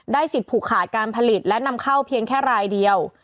สิทธิ์ผูกขาดการผลิตและนำเข้าเพียงแค่รายเดียว